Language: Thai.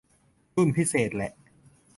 รุ่นพิเศษแหละ